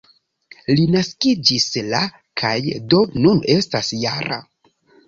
Li naskiĝis la kaj do nun estas -jara.